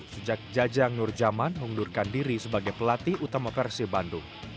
sejak jajang nurjaman mengundurkan diri sebagai pelatih utama persib bandung